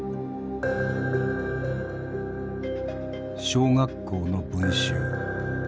小学校の文集。